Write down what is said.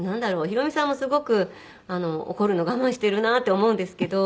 ヒロミさんもすごく怒るのを我慢しているなって思うんですけど。